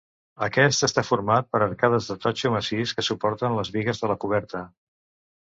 Aquest està format per arcades de totxo massís que suporten les bigues de la coberta.